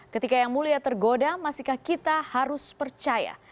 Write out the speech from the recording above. ketika yang mulia tergoda masihkah kita harus percaya